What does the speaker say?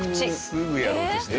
すぐやろうとしてる。